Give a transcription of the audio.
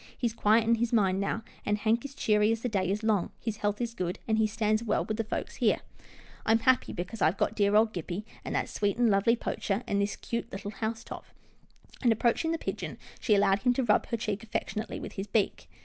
He's quiet in his mind now, and Hank is cheery as the day is long. His health is good, and he stands well with LITTLE HOUSETOP 161 the folks here. I'm happy, 'cause I've got dear old Gippie, and that sweet and lovely Poacher, and this 'cute little Housetop," and, approaching the pigeon, she allowed him to rub her cheek affectionately with his beak.